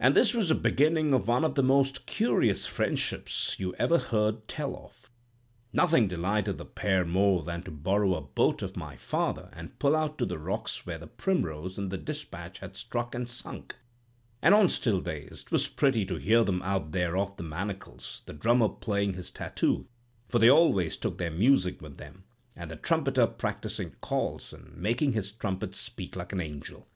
And this was the beginning of one of the most curious friendships you ever heard tell of. Nothing delighted the pair more than to borrow a boat off my father and pull out to the rocks where the 'Primrose' and the 'Despatch' had struck and sunk; and on still days 'twas pretty to hear them out there off the Manacles, the drummer playing his tattoo—for they always took their music with them—and the trumpeter practising calls, and making his trumpet speak like an angel.